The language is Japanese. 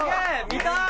見たい！